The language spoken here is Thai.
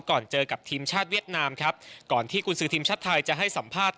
ก่อนเจอกับทีมชาติเวียดนามครับก่อนที่กุญสือทีมชาติไทยจะให้สัมภาษณ์